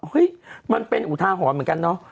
เฮ้ยมันเป็นอุทาหรณ์เหมือนกันเนอะ